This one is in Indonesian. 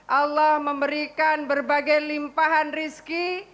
allah memberikan berbagai limpahan rizki